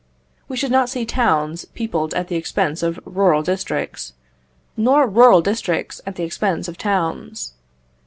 We should not see towns peopled at the expense of rural districts, nor rural districts at the expense of towns.